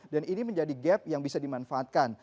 dan ini menjadi gap yang bisa dimanfaatkan